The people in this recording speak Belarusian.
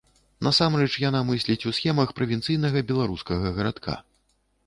Насамрэч, яна мысліць у схемах правінцыйнага беларускага гарадка.